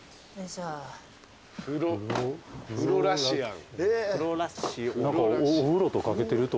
フロラシアン？